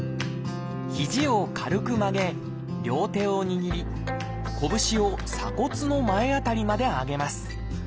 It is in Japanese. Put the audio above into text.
ひじを軽く曲げ両手を握りこぶしを鎖骨の前辺りまで上げます。